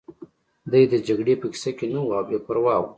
دی د جګړې په کیسه کې نه و او بې پروا و